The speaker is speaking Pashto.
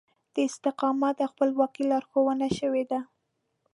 د استقامت او خپلواکي لارښوونه شوې ده.